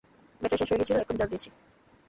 Battery শেষ হয়ে গিয়েছিল, এখনি চার্জ দিয়েছি।